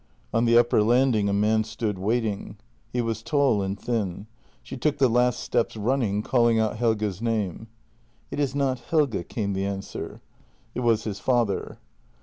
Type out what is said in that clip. On the upper landing a man stood waiting. He was tall and thin. She took the last steps running, calling out Helge's name. " It is not Helge," came the answer. It was his father.